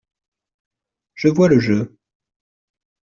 Je vois le jeu.